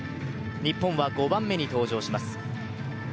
日本は５番目に登場します。